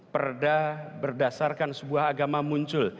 perda berdasarkan sebuah agama muncul